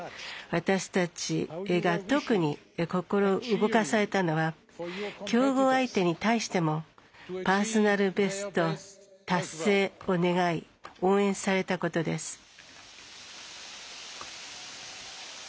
私たちが特に心を動かされたのは競合相手に対してもパーソナルベスト達成を願い応援されたことです。